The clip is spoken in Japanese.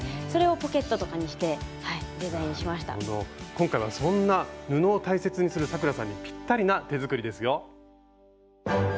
今回はそんな布を大切にする咲楽さんにピッタリな手作りですよ。